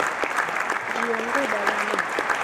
Ji onge e dalano.